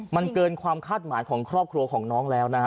มันเกินความคาดหมายของครอบครัวของน้องแล้วนะฮะ